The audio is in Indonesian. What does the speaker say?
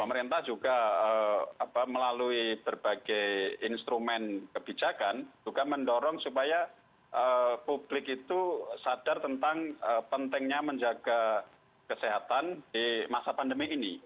pemerintah juga melalui berbagai instrumen kebijakan juga mendorong supaya publik itu sadar tentang pentingnya menjaga kesehatan di masa pandemi ini